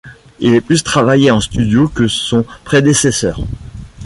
Il est plus travaillé en studio que son prédécesseur.